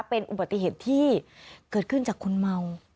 เป็นอุบัติเหตุที่เกิดขึ้นจากคนเมา